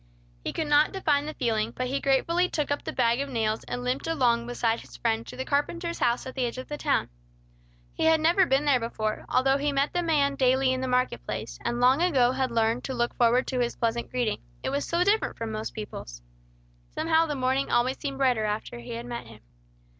He could not define the feeling, but he gratefully took up the bag of nails, and limped along beside his friend to the carpenter's house at the edge of the town. He had never been there before, although he met the man daily in the market place, and long ago had learned to look forward to his pleasant greeting; it was so different from most people's. Somehow the morning always seemed brighter after he had met him.